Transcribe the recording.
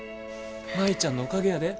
舞ちゃんのおかげやで。